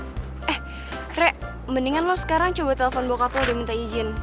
eh re mendingan lo sekarang coba telepon bokap lo udah minta izin